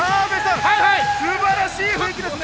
素晴らしい雰囲気ですね。